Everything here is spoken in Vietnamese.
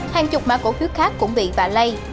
hàng chục mã cổ phiếu khác cũng bị vạ lay